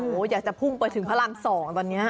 โอ้โหอยากจะพุ่งไปถึงพระราม๒ตอนนี้